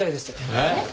えっ？